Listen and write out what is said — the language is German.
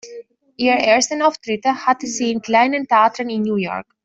Ihre ersten Auftritte hatte sie in kleinen Theatern in New York.